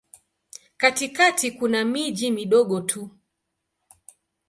Katikati kuna miji midogo tu.